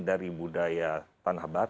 dari budaya tanah barat